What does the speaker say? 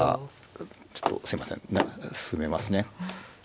ちょっとすいません進めますね。